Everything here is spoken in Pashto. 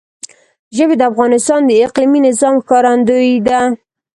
ژبې د افغانستان د اقلیمي نظام ښکارندوی ده.